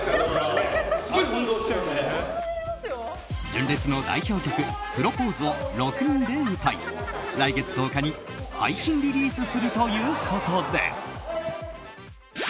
純烈の代表曲「プロポーズ」を６人で歌い来月１０日に配信リリースするということです。